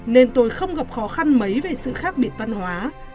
nên tôi không gặp khó khăn mấy về sự khác biệt văn hóa